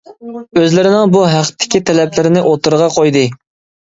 ئۆزلىرىنىڭ بۇ ھەقتىكى تەلەپلىرىنى ئوتتۇرىغا قويدى.